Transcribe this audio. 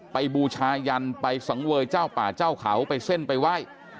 บูชายันไปสังเวยเจ้าป่าเจ้าเขาไปเส้นไปไหว้